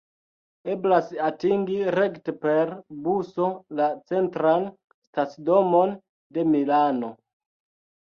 Eblas atingi rekte per buso la Centran Stacidomon de Milano.